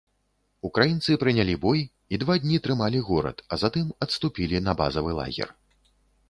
Украінцы прынялі бой і два дні трымалі горад, а затым адступілі на базавы лагер.